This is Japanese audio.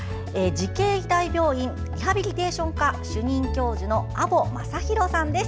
慈恵医大病院リハビリテーション科主任教授の安保雅博さんです。